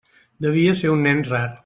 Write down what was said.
Devia ser un nen rar.